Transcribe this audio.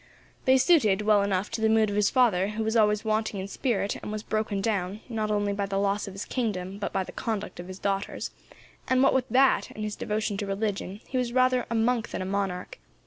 They suited, well enough, to the mood of his father, who was always wanting in spirit, and was broken down, not only by the loss of his kingdom, but by the conduct of his daughters; and, what with that, and his devotion to religion, he was rather a monk than a monarch.